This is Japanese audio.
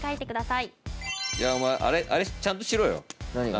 いやお前あれちゃんとしろよ何が？